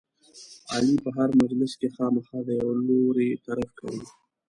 علي په هره مجلس کې خامخا د یوه لوري طرف کوي.